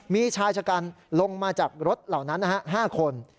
มีชายชะกันลงมาจากรถเหล่านั้น๕คน